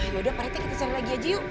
yaudah pak retek kita cari lagi aja yuk